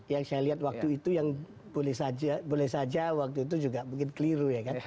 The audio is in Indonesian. yang saya lihat waktu itu yang boleh saja waktu itu juga mungkin keliru ya kan